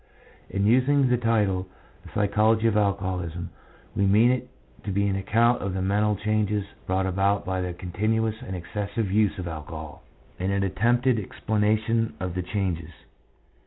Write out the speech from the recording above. In using the title The Psychology of Alcoholism, we mean it to be an account of the mental changes brought about by the continuous and excessive use of alcohol, and an attempted explanation of the changes.